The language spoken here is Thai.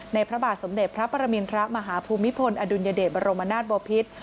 พระบาทสมเด็จพระปรมินทรมาฮภูมิพลอดุลยเดชบรมนาศบอพิษ